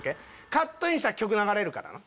カットインしたら曲流れるからな。